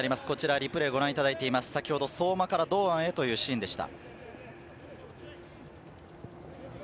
リプレイをご覧いただいています、相馬から堂安へというシーンでした。